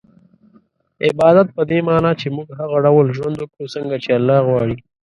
عبادت په دې مانا چي موږ هغه ډول ژوند وکړو څنګه چي الله غواړي